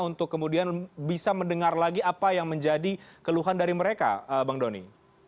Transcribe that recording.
untuk kemudian bisa mendengar lagi apa yang menjadi keluhan dari mereka bang doni